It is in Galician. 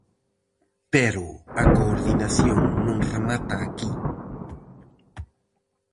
Pero a coordinación non remata aquí.